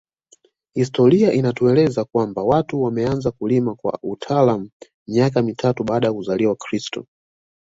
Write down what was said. Historia inatueleza kwamba watu wameanza kulima kwa utaalamu miaka mitatu baada ya kuzaliwa kristo